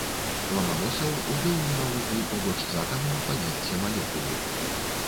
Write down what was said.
Ламаносаў увёў у навуку побач з атамам паняцце малекулы.